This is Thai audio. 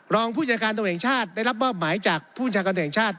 รองผู้จัดการตะวันเองชาติได้รับบ้อบหมายจากผู้จัดการตะวันเองชาติ